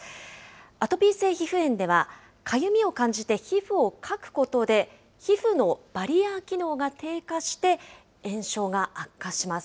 アトピー性皮膚炎ではかゆみを感じて皮膚をかくことで、皮膚のバリアー機能が低下して、炎症が悪化します。